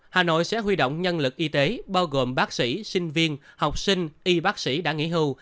hà nội sẽ huy động nhân lực y tế bao gồm bác sĩ sinh viên học sinh y bác sĩ đã nghỉ hưu